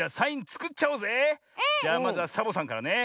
じゃあまずはサボさんからね。